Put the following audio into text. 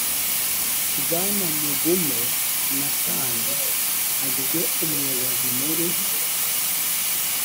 bwana mugume nathan agizwe umuyobozi mr